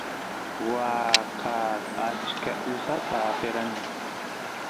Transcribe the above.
waa kaas achka usata aperani